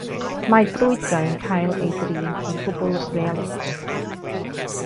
Mae brwydrau yn cael ei drin yn gwbl realistig.